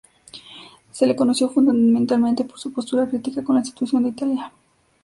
Se le conoció fundamentalmente por su postura crítica con la situación de Italia.